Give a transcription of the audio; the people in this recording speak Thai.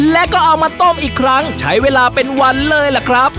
แล้วก็เอามาต้มอีกครั้งใช้เวลาเป็นวันเลยล่ะครับ